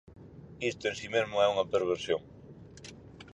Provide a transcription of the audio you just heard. Isto en si mesmo é unha perversión.